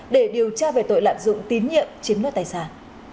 để điều tra về tội lạm dụng tín nhiệm chiếm đoạt tài sản